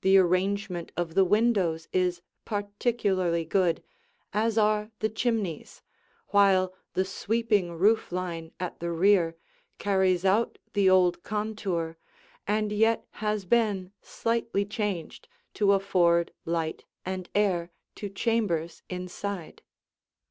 The arrangement of the windows is particularly good, as are the chimneys, while the sweeping roof line at the rear carries out the old contour and yet has been slightly changed to afford light and air to chambers inside.